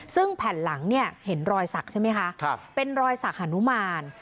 ซึ่งแผ่นหลังเนี่ยเห็นรอยสักใช่ไหมคะเป็นรอยสักฮานุมาน